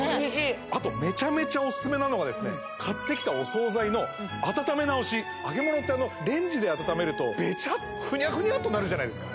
あとめちゃめちゃおすすめなのがですね買ってきたお総菜の温め直し揚げ物ってレンジで温めるとベチャッフニャフニャっとなるじゃないですか